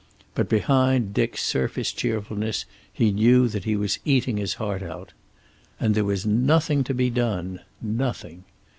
But behind Dick's surface cheerfulness he knew that he was eating his heart out. And there was nothing to be done. Nothing.